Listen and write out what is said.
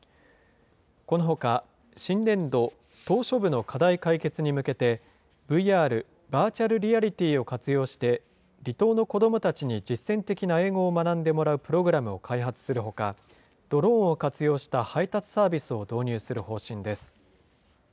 このほか、新年度、島しょ部の課題解決に向けて、ＶＲ・バーチャルリアリティーを活用して、離島の子どもたちに実践的な英語を学んでもらうプログラムを開発するほか、ドローンを活用した配達サービスを導入する方針です。